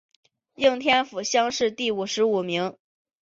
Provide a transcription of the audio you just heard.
应天府乡试第五十五名。